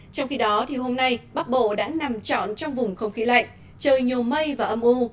trong khi đó hôm nay bắc bộ đã nằm trọn trong vùng không khí lạnh trời nhiều mây và âm u